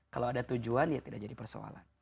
kalau ada tujuan ya tidak jadi persoalan